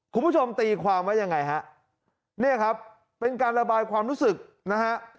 คุณผู้ชมตีความว่าอย่างไรครับนี่ครับเป็นการระบายความรู้สึกนะครับ